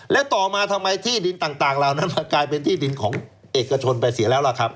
และต่อมาทำไมที่ดินต่างเหล่านั้นมันกลายเป็นที่ดินของเอกชนไปเสียแล้วล่ะครับ